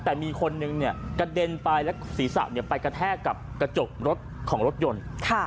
แต่มีคนนึงกระเด็นไปแล้วศีรษะไปกระแทกกับกระจกรถของรถยนต์